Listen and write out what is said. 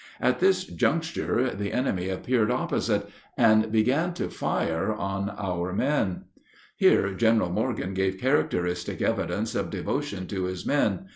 At this juncture the enemy appeared opposite, and began to fire on our men. [Illustration: "HURRY UP, MAJOR!"] Here General Morgan gave characteristic evidence of devotion to his men.